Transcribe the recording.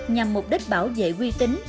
nhằm mục đích bảo vệ quy tính